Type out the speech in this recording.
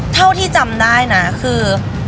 เท่าที่จำได้นะคือ